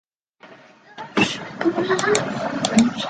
牛尾树